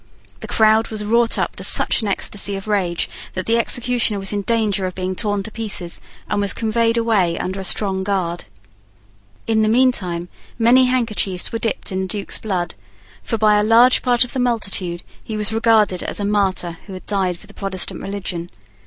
The crowd was wrought up to such an ecstasy of rage that the executioner was in danger of being torn in pieces, and was conveyed away under a strong guard. In the meantime many handkerchiefs were dipped in the Duke's blood; for by a large part of the multitude he was regarded as a martyr who had died for the Protestant religion.